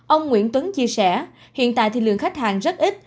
ông nguyễn tuấn chia sẻ hiện tại thì lượng khách hàng rất ít